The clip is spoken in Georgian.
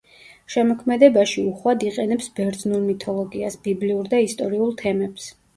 შემოქმედებაში უხვად იყენებს ბერძნულ მითოლოგიას, ბიბლიურ და ისტორიულ თემებს.